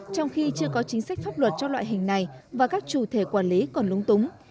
trong khi chưa có chính sách pháp luật cho loại hình này và các chủ thể quản lý còn lúng túng